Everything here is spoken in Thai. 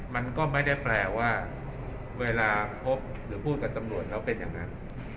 มันก็ไม่ได้แปลว่าเวลาพบหรือพูดกับตำรวจแล้วเป็นอย่างนั้น